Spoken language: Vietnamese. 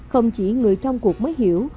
không chỉ người trong cuộc mới hiểu